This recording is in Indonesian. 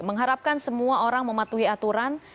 mengharapkan semua orang mematuhi aturan